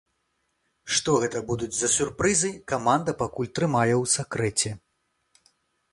Што гэта будуць за сюрпрызы, каманда пакуль трымае ў сакрэце.